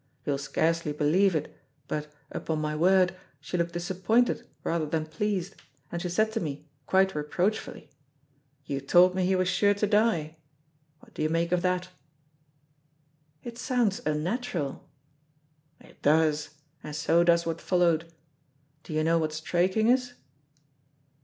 You'll scarcely believe it, but, upon my word, she looked disappointed rather than pleased, and she said to me, quite reproachfully, 'You told me he was sure to die!' What do you make of that?" "It sounds unnatural." "It does, and so does what followed. Do you know what straiking is?"